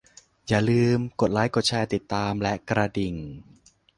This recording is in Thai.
อย่าลืม กดไลก์ กดแชร์ ติดตาม และกระดิ่ง